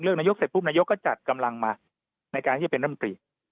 นายกเสร็จปุ๊บนายกก็จัดกำลังมาในการที่จะเป็นร่ำตรี